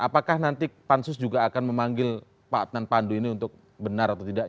apakah nanti pansus juga akan memanggil pak adnan pandu ini untuk benar atau tidak